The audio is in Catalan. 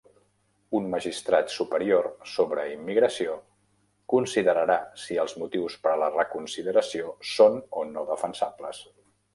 Un magistrat superior sobre immigració considerarà si els motius per a la reconsideració són o no "defensables".